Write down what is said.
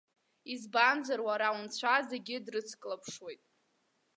Избанзар уара унцәа, зегьы дрыцклаԥшуеит.